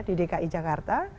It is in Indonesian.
di dki jakarta